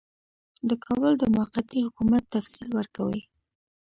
د کابل د موقتي حکومت تفصیل ورکوي.